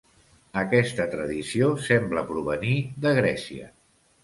Aquesta tradició sembla provenir de Grècia.